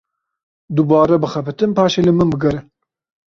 Dubare bixebitin paşê li min bigere.